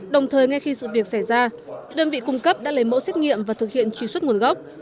đồng thời ngay khi sự việc xảy ra đơn vị cung cấp đã lấy mẫu xét nghiệm và thực hiện truy xuất nguồn gốc